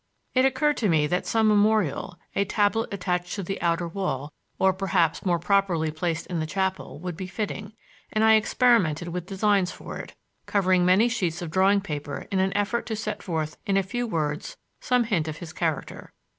It occurred to me that some memorial, a tablet attached to the outer wall, or perhaps, more properly placed in the chapel, would be fitting; and I experimented with designs for it, covering many sheets of drawing paper in an effort to set forth in a few words some hint of his character.